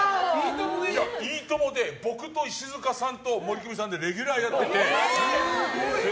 で、僕と石塚さんとモリクミさんでレギュラーをやってて。